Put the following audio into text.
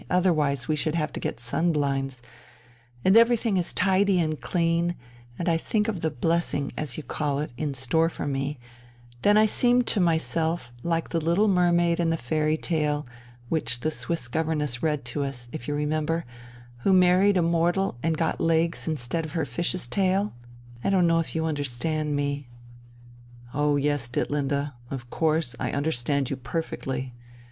otherwise we should have to get sun blinds and everything is tidy and clean, and I think of the blessing, as you call it, in store for me, then I seem to myself like the little mermaid in the fairy tale which the Swiss governess read to us, if you remember who married a mortal and got legs instead of her fish's tail.... I don't know if you understand me...." "Oh yes, Ditlinde, of course, I understand you perfectly.